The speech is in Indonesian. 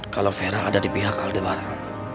kalau vera ada di pihak aldebar